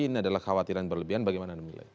ini adalah khawatiran berlebihan bagaimana demikian